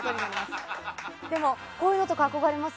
でも、こういうのとか憧れます。